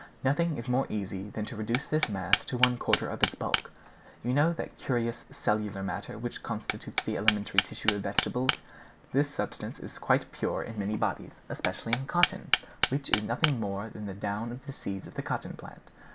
"Nothing is more easy than to reduce this mass to one quarter of its bulk. You know that curious cellular matter which constitutes the elementary tissues of vegetable? This substance is found quite pure in many bodies, especially in cotton, which is nothing more than the down of the seeds of the cotton plant.